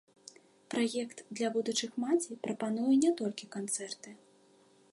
Праект для будучых маці прапануе не толькі канцэрты.